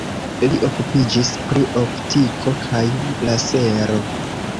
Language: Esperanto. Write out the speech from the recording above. Li okupiĝis pri optiko kaj lasero.